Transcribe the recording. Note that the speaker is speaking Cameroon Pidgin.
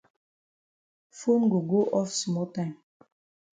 Fone go go off small time.